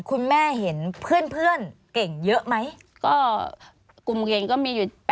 คุณแม่เห็นเพื่อนเก่งเยอะไหม